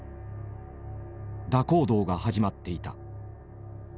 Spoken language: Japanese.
蛇行動が始まっていた。